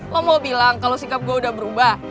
lo mau bilang kalau sikap gue udah berubah